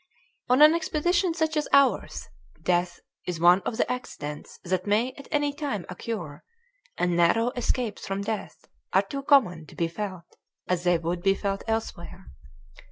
On an expedition such as ours death is one of the accidents that may at any time occur, and narrow escapes from death are too common to be felt as they would be felt elsewhere.